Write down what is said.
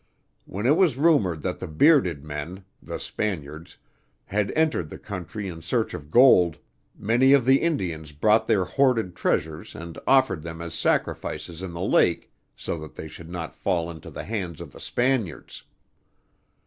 When it was rumored that the bearded men (the Spaniards) had entered the country in search of gold, many of the Indians brought their hoarded treasures and offered them as sacrifices in the lake, so that they should not fall into the hands of the Spaniards.